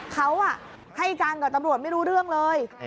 เขาให้การกับตำรวจไม่รู้เรื่องเลย